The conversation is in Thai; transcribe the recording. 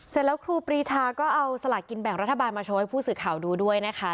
เสร็จแล้วครูปรีชาก็เอาสลากกินแบ่งรัฐบาลมาโชว์ให้ผู้สื่อข่าวดูด้วยนะคะ